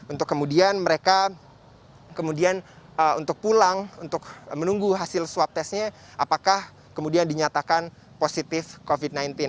untuk kemudian mereka kemudian untuk pulang untuk menunggu hasil swab testnya apakah kemudian dinyatakan positif covid sembilan belas